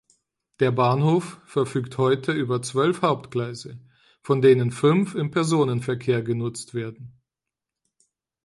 Der Bahnhof verfügt heute über zwölf Hauptgleise, von denen fünf im Personenverkehr genutzt werden.